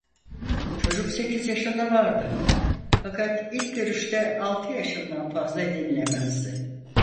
Çocuk sekiz yaşında vardı, fakat ilk görüşte altı yaşından fazla denilemezdi.